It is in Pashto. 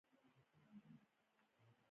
الماري د خلکو د طبعیت په اساس جوړیږي